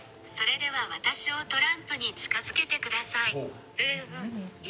それでは私をトランプに近づけてください。